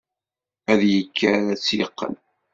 Ad yekker ad tt-yeqqen.